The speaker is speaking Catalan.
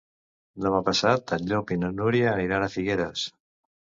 Demà passat en Llop i na Núria aniran a Figueres.